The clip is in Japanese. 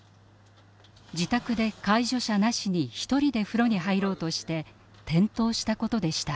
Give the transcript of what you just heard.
自宅で介助者なしに一人で風呂に入ろうとして転倒したことでした。